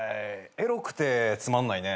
エロくてつまんないね。